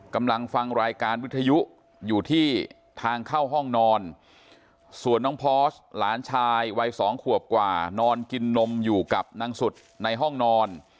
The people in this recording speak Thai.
กำลังฟังรายการวิทยุอยู่ที่ทางเข้าห้องนอนส่วนน้องพอสหลานชายวัยสองขวบกว่านอนกินนมอยู่กับนางสุดในห้องนอน